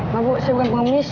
mabuk sih bukan kumis